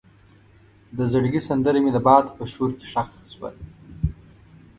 د زړګي سندره مې د باد په شور کې ښخ شوه.